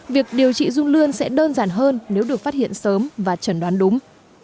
việc điều trị run lươn sẽ đơn giản hơn nếu được phát hiện sớm và chẩn đoán đúng